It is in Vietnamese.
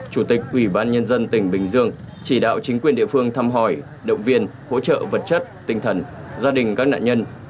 chủ tịch ủy ban nhân dân tỉnh bình dương chỉ đạo chính quyền địa phương thăm hỏi động viên hỗ trợ vật chất tinh thần gia đình các nạn nhân